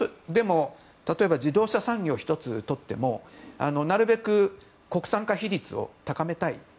例えば、自動車産業１つとってもなるべく国産化比率を高めたい。